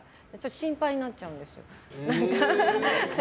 心配になっちゃうんです。